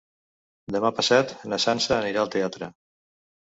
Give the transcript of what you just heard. Demà passat na Sança anirà al teatre.